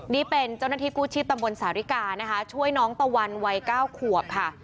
นี่เป็นเจ้าหน้าที่กู้ชีพตำบลสาริกานะคะช่วยน้องตะวันวัย๙ขวบค่ะ